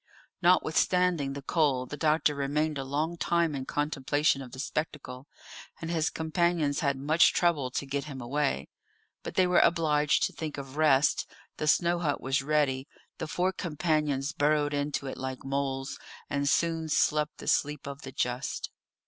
Notwithstanding the cold, the doctor remained a long time in contemplation of the spectacle, and his companions had much trouble to get him away; but they were obliged to think of rest; the snow hut was ready; the four companions burrowed into it like moles, and soon slept the sleep of the just.